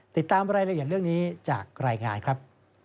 ติดตามรายละเอียดเรื่องนี้จากรายงานครับ